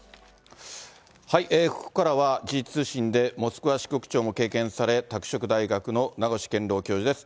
ここからは、時事通信でモスクワ支局長も経験され、拓殖大学の名越健郎教授です。